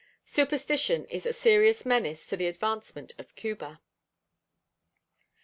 Superstition is a serious menace to the advancement of Cuba.